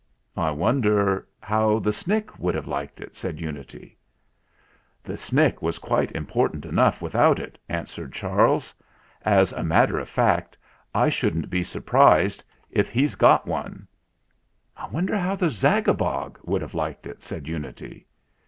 "I wonder how the Snick would have liked it?" said Unity. THE RECOVERY OF MR. JAGO 173 "The Snick was quite important enough without it," answered Charles. "As a matter of fact I shouldn't be surprised if he's got one." "I wonder how the Zagabog would have liked it ?" said Unity.